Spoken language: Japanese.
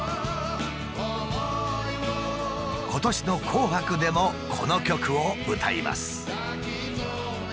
今年の「紅白」でもこの曲を歌います。